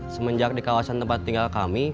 semenjak di kawasan tempat tinggal kami